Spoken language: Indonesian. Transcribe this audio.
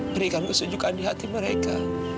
berikan kesujukan di hati mereka